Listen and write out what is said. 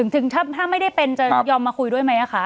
ถึงถ้าไม่ได้เป็นจะยอมมาคุยด้วยไหมคะ